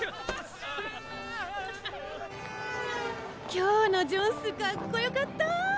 今日のジョンスかっこよかった！